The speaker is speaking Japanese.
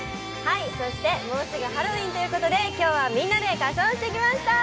そして、もうすぐハロウィーンということで今日はみんなで仮装してきました！